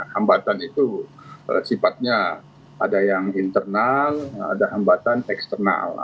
hambatan itu sifatnya ada yang internal ada hambatan eksternal